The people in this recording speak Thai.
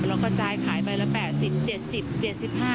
เราก็จ่ายแล้ว๘๐๗๐๗๕